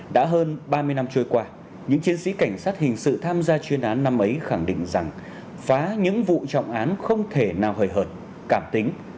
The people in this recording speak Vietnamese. đã hơn ba mươi năm trôi qua những chiến sĩ cảnh sát hình sự tham gia chuyên án năm ấy khẳng định rằng phá những vụ trọng án không thể nào hời hợt cảm tính